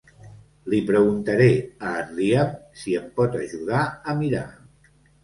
Li preguntaré a en Liam si em pot ajudar a mirar.